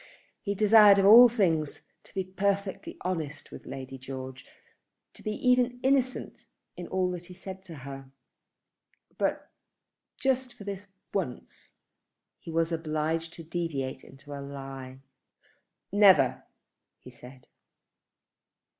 He desired of all things to be perfectly honest with Lady George, to be even innocent in all that he said to her; but just for this once he was obliged to deviate into a lie. "Never!" he said.